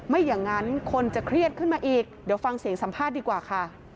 ไม่อย่างนั้นคนจะเครียดขึ้นมาอีก